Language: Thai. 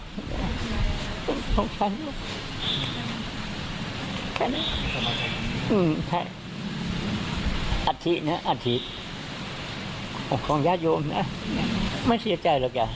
อันนี้อัฐิของญาติโยมนะไม่เสียใจหรอกจ้ะ